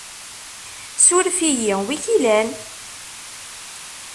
Suref-iyi, wi ik-ilan?